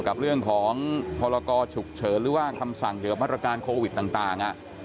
กับเรื่องของพรกรฉุกเฉินหรือว่าคำสั่งเกี่ยวกับมาตรการโควิดต่าง